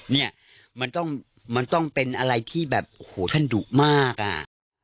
เนี่ยมันต้องเป็นอะไรที่แบบโหวท่านดุมากอะ